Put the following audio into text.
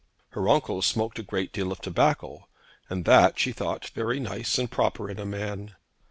Her uncle smoked a great deal of tobacco, and that she thought very nice and proper in a man.